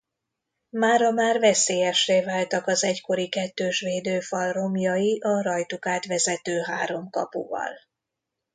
Mára már veszélyessé váltak az egykori kettős védőfal romjai a rajtuk átvezető három kapuval.